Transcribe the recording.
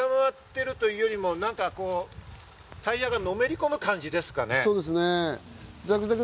ですから固まっているというよりも、タイヤがのめり込む感じですかね。